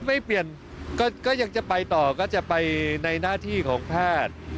ไม่เปลี่ยนก็ยังจะไปต่อก็จะไปในหน้าที่ของแพทย์